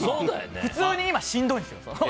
普通に今、しんどいですよ。